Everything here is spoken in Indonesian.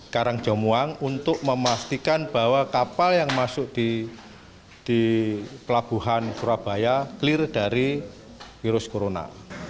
karangjomuang untuk memastikan bahwa kapal yang masuk di pelabuhan surabaya clear dari virus corona